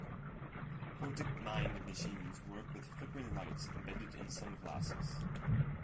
Photic mind machines work with flickering lights embedded in sunglasses.